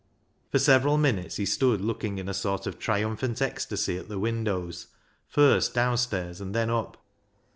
For several minutes he stood looking in a sort of triumphant ecstasy at the windows, first downstairs and then up.